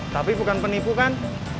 tapi bukan penipu kan